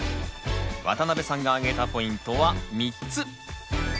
渡辺さんがあげたポイントは３つ。